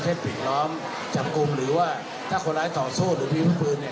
เช่นปิดล้อมจำกุมหรือว่าถ้าคนร้ายต่อสู้หรือมีพื้นเนี่ย